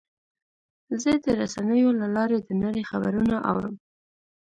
زه د رسنیو له لارې د نړۍ خبرونه اورم.